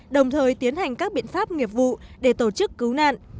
đồng thời tiến hành các biện pháp nghiệp vụ để tổ chức cứu nạn